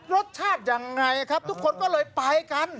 รสชาติยังไงครับทุกคนก็เลยไปกัน